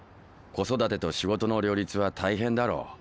子育てと仕事の両立は大変だろう。